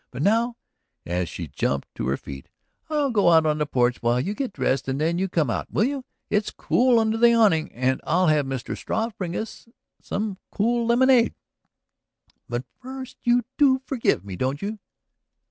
But now," and she jumped to her feet, "I'll go out on the porch while you get dressed and then you come out, will you? It's cool there under the awning, and I'll have Mr. Struve bring us out some cold lemonade. But first, you do forgive me, don't you?"